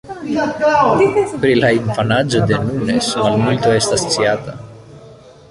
Pri la infanaĝo de Nunes malmulto estas sciata.